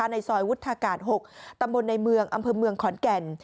ในซอยวุฒากาศ๖ตำบลในเมืองอำเภอเมืองขอนแก่น